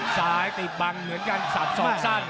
ซ้ายตีบบังเหมือนกันสับสอกสั้น